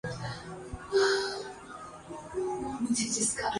منینولوپس Minnesota Aruvi California